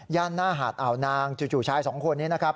หน้าหาดอ่าวนางจู่ชายสองคนนี้นะครับ